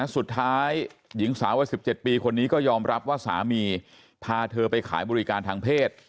สุดท้ายหญิงสาววัย๑๗ปีคนนี้ก็ยอมรับว่าสามีพาเธอไปขายบริการทางเพศ